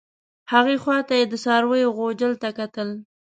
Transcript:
هغې خوا ته یې د څارویو غوجل ته کتل.